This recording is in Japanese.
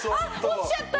落ちちゃった！